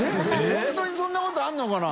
本当にそんなことあるのかな？